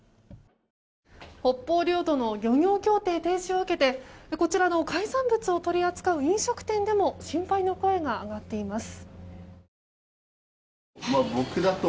北方領土の漁業協定停止を受けてこちらの海産物を取り扱う飲食店でも心配の声が上がっています。